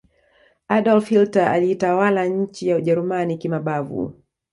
Adolf Hilter aliitawala nchi ya ujerumani kimabavu